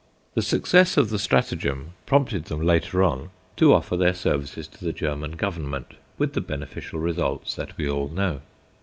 The success of the stratagem prompted them later on to offer their services to the German Government, with the beneficial results that we all know.